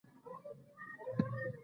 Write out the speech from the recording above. غول د وچې ډوډۍ څخه بیزار دی.